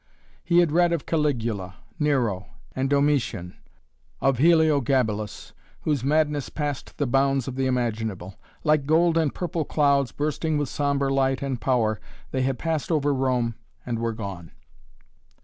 He had read of Caligula, Nero, and Domitian, of Heliogabalus, whose madness passed the bounds of the imaginable. Like gold and purple clouds, bursting with sombre light and power, they had passed over Rome and were gone.